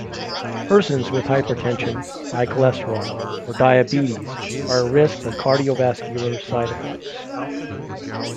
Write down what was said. Persons with hypertension, high cholesterol, or diabetes are at risk for cardiovascular side effects.